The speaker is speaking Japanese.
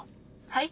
はい。